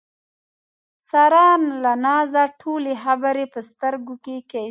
ساره له نازه ټولې خبرې په سترګو کې کوي.